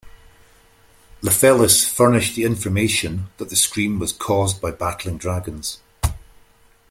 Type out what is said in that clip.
Llefelys furnished the information that the scream was caused by battling dragons.